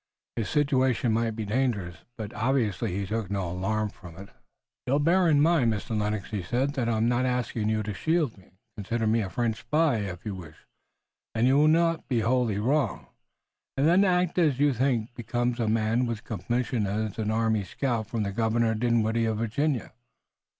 His situation might be dangerous, but obviously he took no alarm from it. "You'll bear in mind, Mr. Lennox," he said, "that I'm not asking you to shield me. Consider me a French spy, if you wish and you'll not be wholly wrong and then act as you think becomes a man with a commission as army scout from Governor Dinwiddie of Virginia."